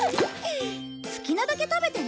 好きなだけ食べてね。